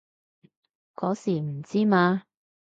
嗰時唔知嘛